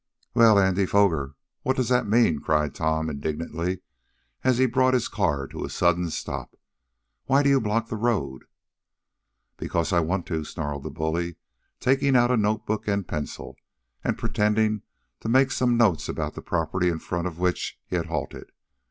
"Well, Andy Foger, what does that mean?" cried Tom, indignantly, as he brought his car to a sudden stop. "Why do you block the road?" "Because I want to," snarled the bully, taking out a notebook and pencil, and pretending to make some notes about the property in front of which he had halted.